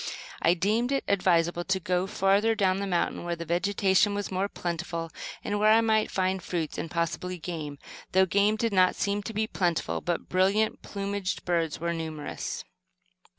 I deemed it advisable to go further down the mountain where the vegetation was more plentiful, and where I might find fruits, and possibly game though game did not seem to be plentiful, but brilliant plumaged birds were numerous.